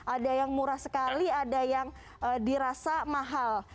ada yang murah sekali ada yang dirasa mahal